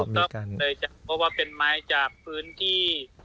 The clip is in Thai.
ทราบเรื่องแล้วก็เป็นไม้จากพื้นที่